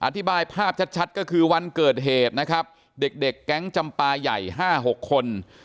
อธิบายภาพชัดก็คือวันเกิดเหตุนะครับเด็กแก๊งจำปลาใหญ่๕๖คน